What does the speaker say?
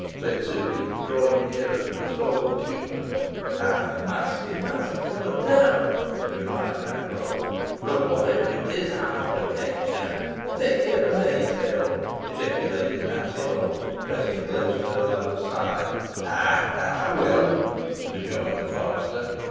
said Sukey, drawing nearer to the stalwart keeper. "By th' maskins, lass, ey conna tell," replied Blackrod; "boh whotever it be, ey'll protect ye." "Tak care o' me, Phil," ejaculated Nancy Holt, pressing close to her lover's side. "Eigh, that I win," rejoined the forester.